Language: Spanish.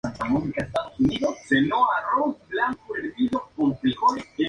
Han colaborado en series y programas, tanto en televisión como en Internet.